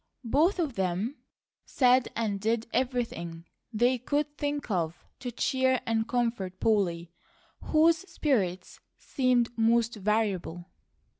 Both of them said and did everything they could think of to cheer and comfort Polly, whose spirits seemed most variable.